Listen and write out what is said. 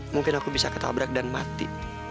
mungkin aku bisa ketabrak dan mati